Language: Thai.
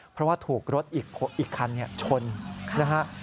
เพราะว่าถูกรถอีกคันชนนะฮะ